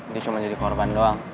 dia cuma jadi korban doang